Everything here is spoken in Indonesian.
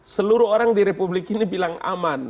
seluruh orang di republik ini bilang aman